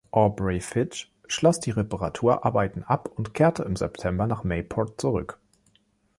„Aubrey Fitch“ schloss die Reparaturarbeiten ab und kehrte im September nach Mayport zurück.